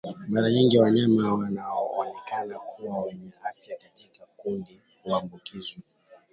Mara nyingi wanyama wanaoonekana kuwa wenye afya katika kundi huambukizwa